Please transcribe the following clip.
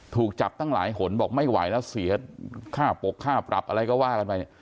ถูกจับตั้งหลายหนบอกไม่ไหวแล้วเสียค่าปกค่าปรับอะไรก็ว่ากันไปเนี่ย